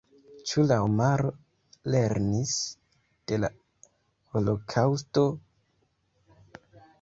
Ĉu la homaro lernis de la holokaŭsto?